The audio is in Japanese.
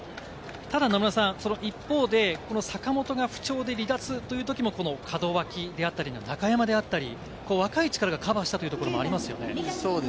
ただ野村さん、一方で坂本が不調で離脱というときも門脇であったり高山であったり、若い力がカバーしたというところがありますよね。